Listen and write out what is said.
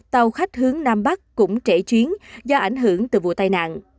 tàu khách hướng nam bắc cũng trễ chuyến do ảnh hưởng từ vụ tai nạn